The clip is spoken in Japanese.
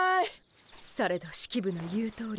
されど式部の言うとおり。